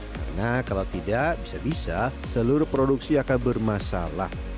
karena kalau tidak bisa bisa seluruh produksi akan bermasalah